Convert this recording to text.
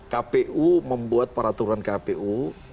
kpu membuat peraturan kpu